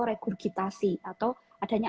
regurgitasi atau adanya